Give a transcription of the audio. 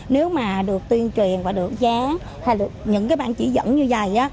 nếu mà được tuyên truyền và được giá hay được những bản chỉ dẫn như vậy